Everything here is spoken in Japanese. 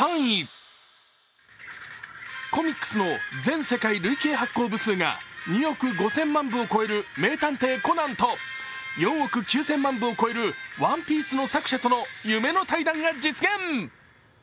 コミックスの全世界累計発行部数が２億５０００万部を超える「名探偵コナン」と４億９０００万部を超える「ＯＮＥＰＩＥＣＥ」の作者との夢の対談が実現。